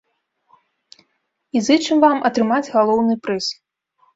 І зычым вам атрымаць галоўны прыз!